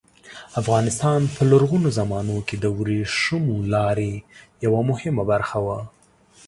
افغانستان په لرغونو زمانو کې د ورېښمو لارې یوه مهمه برخه وه.